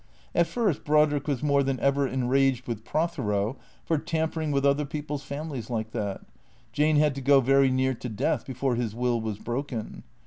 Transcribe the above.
At first Brodrick was more than ever enraged with Prothero for tampering with other people's families like that. Jane had to go very near to death before his will was broken.